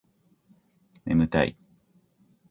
ねむたい